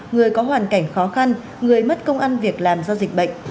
người có hoàn cảnh khó khăn người mất công ăn việc làm do dịch bệnh